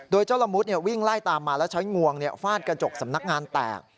โดยเจ้าละมุดวิ่งไล่ตามมาแล้วใช้งวงฟาดกระจกสำนักงานแตก